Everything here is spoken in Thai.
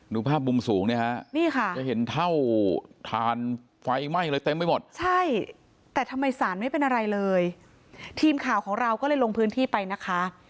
ดูภาพมุมสูงเนี่ยฮะนี่ค่ะจะเห็นเท่าทานไฟไหม้อะไรเต็มไปหมดใช่แต่ทำไมศาลไม่เป็นอะไรเลยทีมข่าวของเราก็เลยลงพื้นที่ไปนะคะ